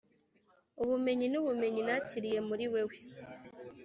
ubumenyi nubumenyi nakiriye muri wewe,